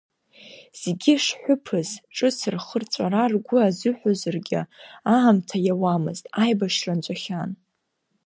Зегьы шҳәыԥыз ҿыц рхырҵәара ргәы азыҳәозаргьы, аамҭа иауамызт, аибашьра нҵәахьан.